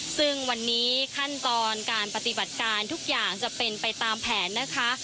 ซึ่งวันนี้ขั้นตอนการปฏิบัติการทุกอย่างจะเป็นไปตามแผนนะคะ